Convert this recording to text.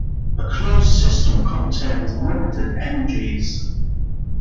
A closed system contains limited energies.